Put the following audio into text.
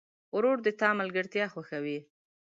ورور د تا ملګرتیا خوښوي.